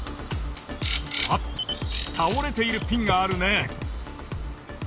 あったおれているピンがあるね。